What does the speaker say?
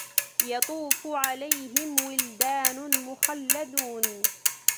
يطوف عليهم ولدان مخلدون